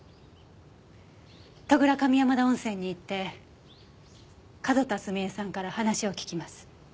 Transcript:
戸倉上山田温泉に行って角田澄江さんから話を聞きます。